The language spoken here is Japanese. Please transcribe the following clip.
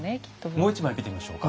もう一枚見てみましょうか。